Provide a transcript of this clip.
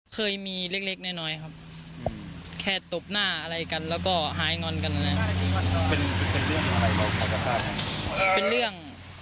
เคยมีเล็กน้อยครับแค่ตบหน้าอะไรกันแล้วก็หายงอนกันเลย